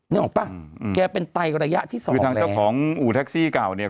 นึกออกป่ะแกเป็นไตระยะที่สองคือทางเจ้าของอู่แท็กซี่เก่าเนี่ย